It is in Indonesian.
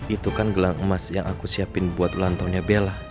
itu kan gelang emas yang aku siapin buat ulang tahunnya bella